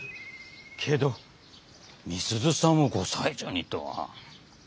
けど美鈴さんをご妻女にとは。